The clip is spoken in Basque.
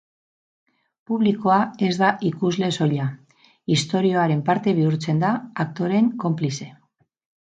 Publikoa ez da ikusle soila, istorioaren parte bihurtzen da, aktoreen konplize.